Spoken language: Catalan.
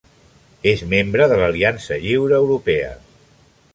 És membre de l'Aliança Lliure Europea.